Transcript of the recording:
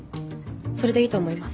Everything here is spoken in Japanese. それでいいと思います。